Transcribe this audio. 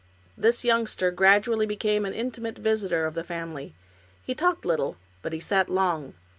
This youngster gradually became an intimate visitor of the family. He talked little, but he sat long.